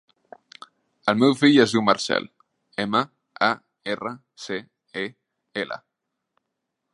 El meu fill es diu Marcel: ema, a, erra, ce, e, ela.